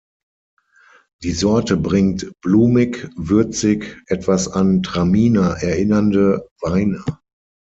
Die Sorte bringt blumig-würzig, etwas an Traminer erinnernde, Weine.